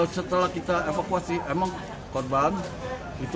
setelah kita evakuasi emang korban itu